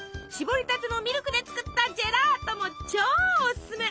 搾りたてのミルクで作ったジェラートも超おすすめ。